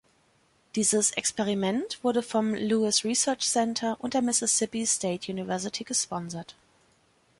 Dieses Experiment wurde vom Lewis Research Center und der Mississippi State University gesponsert.